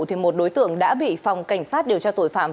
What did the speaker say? thì một đối tượng đã bị phòng cảnh sát điều tra tội phạm